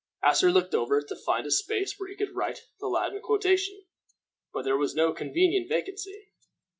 Asser looked over it to find a space where he could write the Latin quotation, but there was no convenient vacancy.